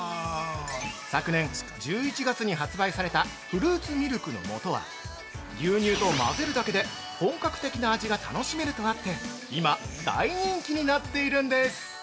◆昨年１１月に発売された「フルーツミルクの素」は牛乳と混ぜるだけで本格的な味が楽しめるとあって今、大人気になっているんです。